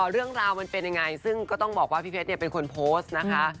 เรื่องราวมันเป็นยังไงซึ่งก็ต้องบอกว่าพี่เพชรเป็นคนโพสต์นะคะ